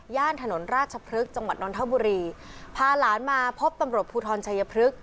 ถนนราชพฤกษ์จังหวัดนทบุรีพาหลานมาพบตำรวจภูทรชัยพฤกษ